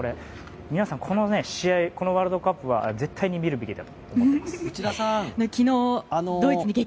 皆さんこのワールドカップは絶対に見るべきだと思います。